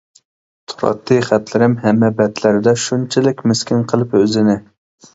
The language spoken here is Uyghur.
تۇراتتى خەتلىرىم ھەممە بەتلەردە شۇنچىلىك مىسكىن قىلىپ ئۆزىنى.